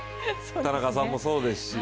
田中さんもそうだし。